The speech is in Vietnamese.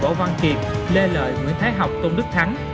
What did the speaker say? võ văn kiệp lê lợi nguyễn thái học tôn đức thắng